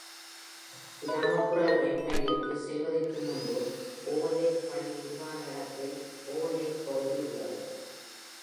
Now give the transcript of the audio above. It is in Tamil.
கிராமப்புற ரெட்மண்டிற்கு செல்வதற்கு முன்பு ஓவர்லேக் பள்ளி உருவான இடத்தில் ஓவர்லேக் பகுதி உள்ளது.